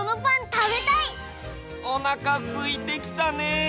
おなかすいてきたね！